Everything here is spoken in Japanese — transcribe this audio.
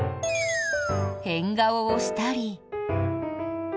変顔をしたり。